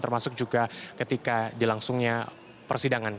termasuk juga ketika dilangsungnya persidangan